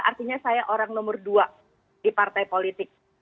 artinya saya orang nomor dua di partai politik